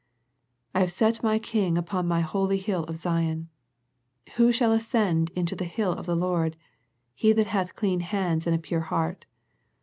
" I have set My King upon My holy hill of Zion." "Who shall ascend into the hill of the Lord? He that hath clean hands and a pure heart."